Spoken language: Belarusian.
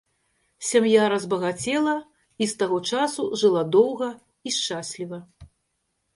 Сям'я разбагацела і з таго часу жыла доўга і шчасліва.